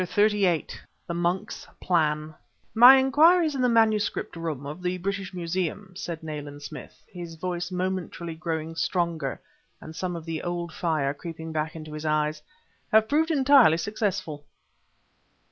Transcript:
CHAPTER XXXVIII THE MONK'S PLAN "My inquiries in the Manuscript Room of the British Museum," said Nayland Smith, his voice momentarily growing stronger and some of the old fire creeping back into his eyes, "have proved entirely successful."